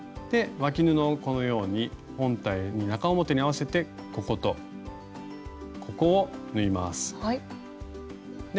わき布をこのように本体に中表に合わせてこことここを縫います。